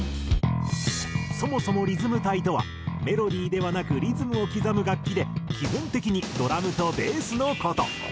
そもそもリズム隊とはメロディーではなくリズムを刻む楽器で基本的にドラムとベースの事。